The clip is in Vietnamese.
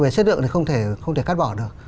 xe lượng thì không thể cắt bỏ được